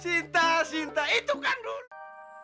cinta cinta itu kan dulu